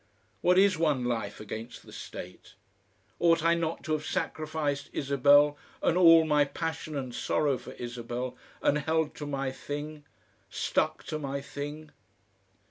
What is one life against the State? Ought I not to have sacrificed Isabel and all my passion and sorrow for Isabel, and held to my thing stuck to my thing?